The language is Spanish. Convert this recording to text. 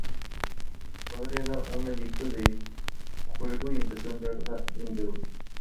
Su padre era un adicto de juego y empezó a entrar en deuda.